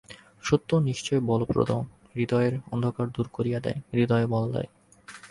সত্য নিশ্চয়ই বলপ্রদ, হৃদযের অন্ধকার দূর করিয়া দেয়, হৃদয়ে বল দেয়।